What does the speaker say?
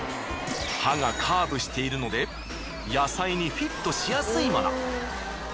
刃がカーブしているので野菜にフィットしやすいもの。